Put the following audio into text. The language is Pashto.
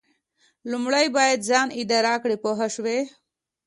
لومړی باید ځان اداره کړئ پوه شوې!.